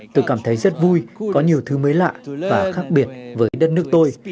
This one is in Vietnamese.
tôi cảm thấy rất vui có nhiều thứ mới lạ và khác biệt với đất nước tôi